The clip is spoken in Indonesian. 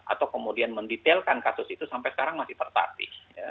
atau kemudian mendetailkan kasus itu sampai sekarang masih tertatih